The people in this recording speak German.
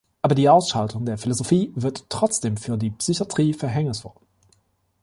Aber die Ausschaltung der Philosophie wird trotzdem für die Psychiatrie verhängnisvoll.